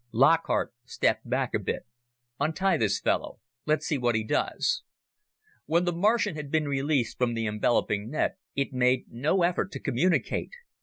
Lockhart stepped back a bit. "Untie this fellow. Let's see what he does." When the Martian had been released from the enveloping net, it made no effort to communicate.